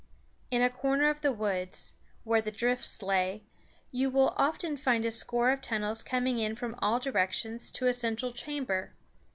In a corner of the woods, where the drifts lay, you will often find a score of tunnels coming in from all directions to a central chamber.